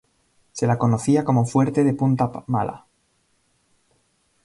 Se la conocía como fuerte de Punta Mala.